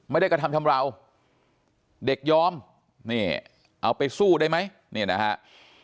ไม่ได้กระทำทำราวเด็กยอมนี่เอาไปสู้ได้ไหมนี่นะครับ